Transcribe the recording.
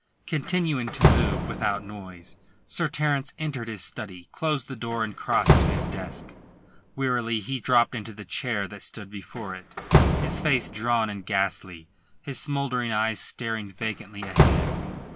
Continuing to move without noise, Sir Terence entered his study, closed the door and crossed to his desk. Wearily he dropped into the chair that stood before it, his face drawn and ghastly, his smouldering eyes staring vacantly ahead.